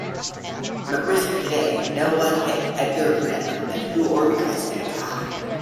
Members here today know what hit Edgar Graham, and who organised the attack.